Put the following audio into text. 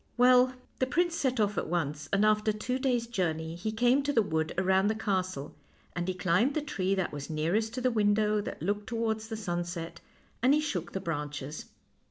Well, the prince set off at once, and after two days' journey he came to the wood around the castle, and he climbed the tree that was nearest to the window that looked towards the sunset, and he shook the branches.